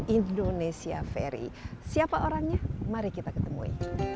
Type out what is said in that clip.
indonesia ferry siapa orangnya mari kita ketemui